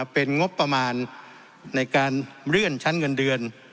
เป็นงบประมาณในการเลื่อนชั้นเงินเดือน